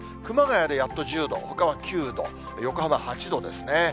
熊谷でやっと１０度、ほかは９度、横浜８度ですね。